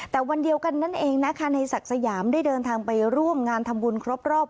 แต่วันเดียวกันนั่นเองนะคะในศักดิ์สยามได้เดินทางไปร่วมงานทำบุญครบรอบ